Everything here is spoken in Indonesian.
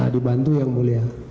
dibantu yang mulia